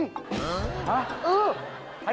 เออใครคุณตาย